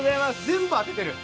全部当ててる。